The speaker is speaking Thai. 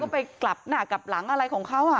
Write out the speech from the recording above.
ไปกลับหน้ากลับหลังอะไรของเขา